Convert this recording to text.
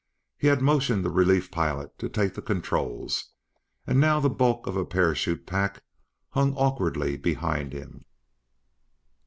He had motioned the relief pilot to take the controls, and now the bulk of a parachute pack hung awkwardly behind him.